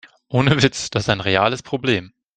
Ohne Witz, das ist ein reales Problem.